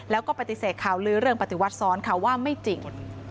แล้วก็ปฏิเสธข่าวลื้อเรื่องปฏิวัติซ้อนค่ะว่าไม่จริง